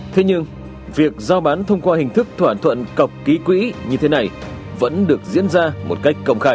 thế nhưng việc giao bán thông qua hình thức thỏa thuận cọc ký quỹ như thế này vẫn được diễn ra một cách công khai